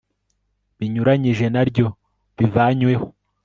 binyuranyije na ryo bivanyweho